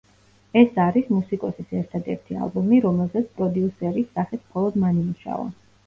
ეს არის მუსიკოსის ერთადერთი ალბომი, რომელზეც პროდიუსერის სახით მხოლოდ მან იმუშავა.